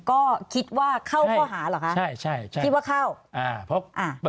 ก็คิดว่าเข้าข้อหาเหรอคะใช่ใช่คิดว่าเข้าอ่าเพราะอ่า